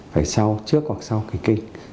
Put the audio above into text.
phải sau trước hoặc sau kỳ kinh